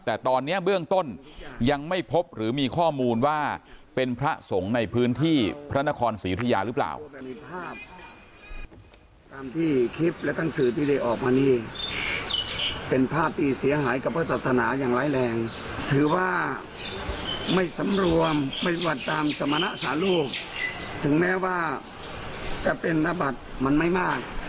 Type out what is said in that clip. แต่ตอนนี้เบื้องต้นยังไม่พบหรือมีข้อมูลว่าเป็นพระสงฆ์ในพื้นที่พระนครศรีอุทยาหรือเปล่า